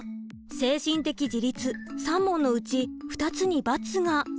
精神的自立３問のうち２つに×が。